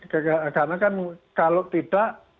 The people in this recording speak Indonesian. karena kan kalau tidak